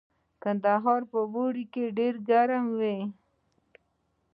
کندهار په اوړي کې ډیر ګرم وي